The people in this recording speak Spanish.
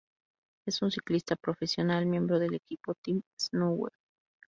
Es un ciclista profesional miembro del equipo Team Sunweb.